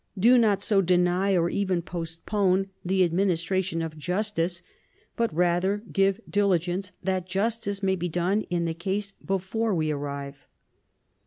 Do not so deny or even postpone the ad ministration of justice ; but rather give diligence thjit justice may be done in the case before we arrive."